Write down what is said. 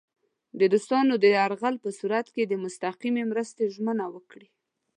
د روسانو د یرغل په صورت کې د مستقیمې مرستې ژمنه ورکړي.